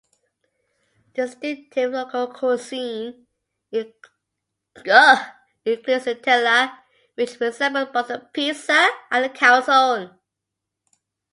Distinctive local cuisine includes the tiella, which resembles both a pizza and a calzone.